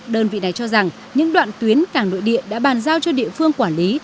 đơn vị này cho rằng những đoạn tuyến cảng nội địa đã bàn giao cho địa phương quản lý